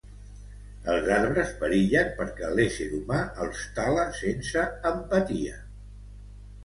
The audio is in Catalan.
Els arbres perillen perquè l'ésser humà els tala sense empatia.